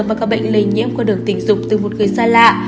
và các bệnh lây nhiễm qua đường tình dục từ một người xa lạ